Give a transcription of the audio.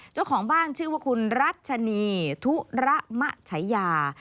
เจ้าของบ้านชื่อว่าคุณรัชนีธุระมะฉายา